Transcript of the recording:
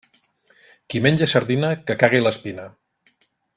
Qui menja sardina, que cague l'espina.